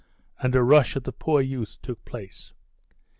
and a rush at the poor youth took place.